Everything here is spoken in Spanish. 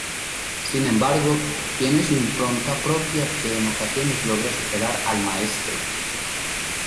Sin embargo, tiene su impronta propia que en ocasiones logra superar al maestro.